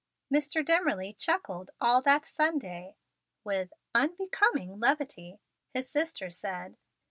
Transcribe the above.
Mr. Dimmerly chuckled all that Sunday with "unbecoming levity," his sister said.